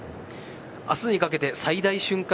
明日にかけて最大瞬間